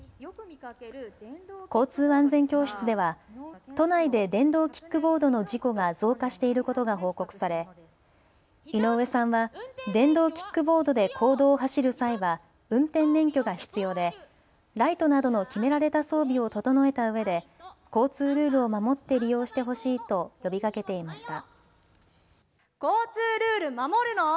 交通安全教室では都内で電動キックボードの事故が増加していることが報告され井上さんは電動キックボードで公道を走る際は運転免許が必要でライトなどの決められた装備を整えたうえで交通ルールを守って利用してほしいと呼びかけていました。